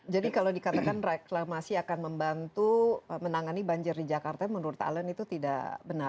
kalau dikatakan reklamasi akan membantu menangani banjir di jakarta menurut talen itu tidak benar